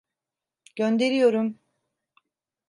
Gönderiyorum.